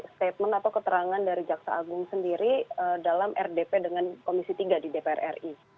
statement atau keterangan dari jaksa agung sendiri dalam rdp dengan komisi tiga di dpr ri